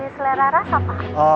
selera rasa pak